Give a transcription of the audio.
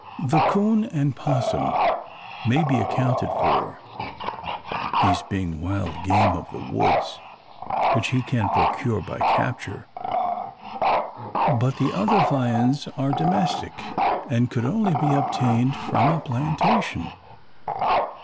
The 'coon and 'possum may be accounted for, these being wild game of the woods, which he can procure by capture; but the other viands are domestic, and could only be obtained from a plantation.